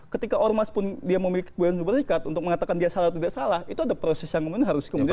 ketika ormas pun dia memiliki kewajiban bersekat untuk mengatakan dia salah atau tidak salah itu ada proses yang kemudian harus kemudian